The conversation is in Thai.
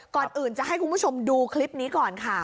ก่อนอื่นจะให้คุณผู้ชมดูคลิปนี้ก่อนค่ะ